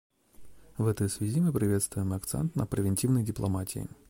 В этой связи мы приветствуем акцент на превентивной дипломатии.